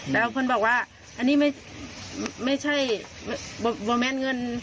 แล้วเพื่อนบอกว่าอันนี้ไม่ใช่โรแมนเงิน